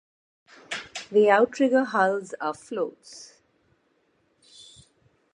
The outrigger hulls are "floats".